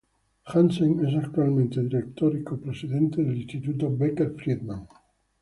Hansen es actualmente director y copresidente del Instituto Becker Friedman.